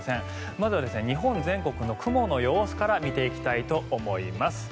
まずは日本全国の雲の様子から見ていきたいと思います。